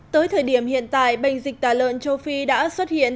tới thời điểm hiện tại bệnh dịch tả lợn châu phi đã xuất hiện